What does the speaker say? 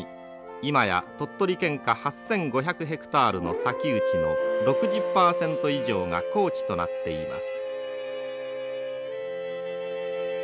今や鳥取県下８，５００ヘクタールの砂丘地の６０％以上が耕地となっています。